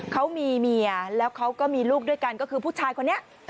เขามีเมียแล้วเขาก็มีลูกด้วยกันก็คือผู้ชายคนนี้